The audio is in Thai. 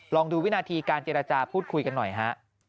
ลองดูวินาทีการเจรจาพูดคุยกันหน่อยฮะ